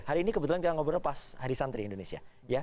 hari ini kebetulan kita ngobrolnya pas hari santri indonesia